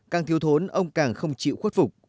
càng thiếu thốn ông càng không chịu khuất phục